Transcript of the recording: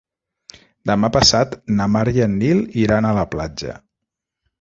Demà passat na Mar i en Nil iran a la platja.